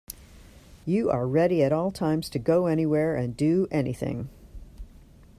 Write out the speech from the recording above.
You are ready at all times to go anywhere, and do anything.